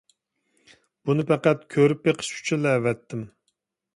بۇنى پەقەت كۆرۈپ بېقىش ئۈچۈنلا ئەۋەتتىم.